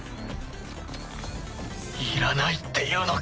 いらないっていうのか。